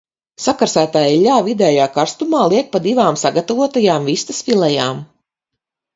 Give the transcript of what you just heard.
Sakarsētā eļļā vidējā karstumā liek pa divām sagatavotajām vistas filejām.